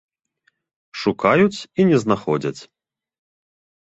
Шукаюць і не знаходзяць.